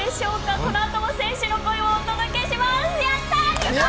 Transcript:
この後も選手の声をお届けします。